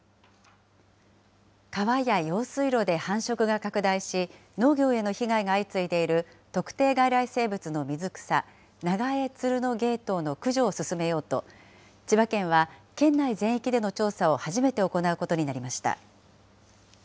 川や用水路で繁殖が拡大し、農業への被害が相次いでいる特定外来生物の水草、ナガエツルノゲイトウの駆除を進めようと、千葉県は県内全域での調査を初めて行うことになりました。